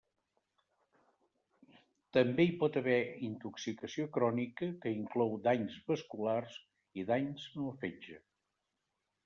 També hi pot haver intoxicació crònica que inclou danys vasculars i danys en el fetge.